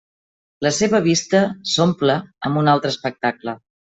La seva vista s'omple amb un altre espectacle.